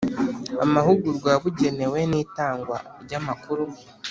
Amahugurwa yabugenewe n itangwa ry amakuru